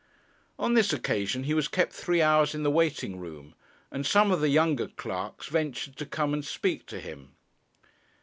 On this occasion he was kept three hours in the waiting room, and some of the younger clerks ventured to come and speak to him.